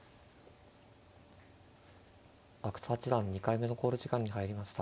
阿久津八段２回目の考慮時間に入りました。